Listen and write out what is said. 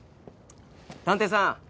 探偵さん。